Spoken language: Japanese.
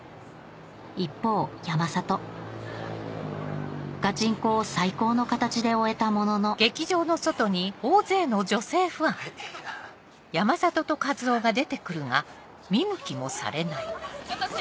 一方山里『ガチンコ！』を最高の形で終えたもののファンです！